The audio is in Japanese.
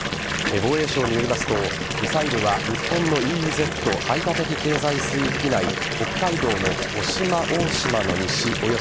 防衛省によりますとミサイルは日本のＥＥＺ＝排他的経済水域内北海道の渡島大島の西